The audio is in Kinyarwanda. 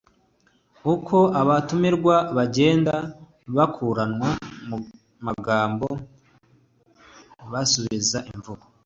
Uko abatumirwa bagenda bakuranwa mu magambo basubiza imvugo